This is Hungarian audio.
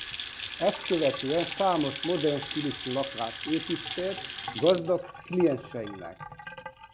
Ezt követően számos modern stílusú lakást épített gazdag klienseinek.